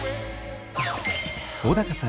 小高さん